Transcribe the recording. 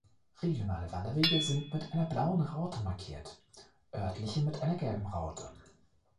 Regionale Wanderwege sind mit einer blauen Raute markiert, örtliche mit einer gelben Raute.